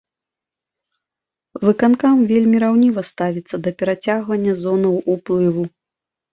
Выканкам вельмі раўніва ставіцца да перацягвання зонаў уплыву.